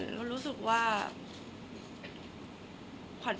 แต่ขวัญไม่สามารถสวมเขาให้แม่ขวัญได้